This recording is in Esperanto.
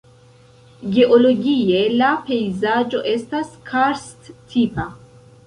Geologie la pejzaĝo estas karst-tipa.